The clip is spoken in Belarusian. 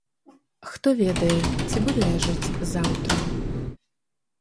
Хто ведае, ці буду я жыць заўтра.